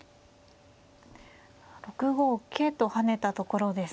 ６五桂と跳ねたところです。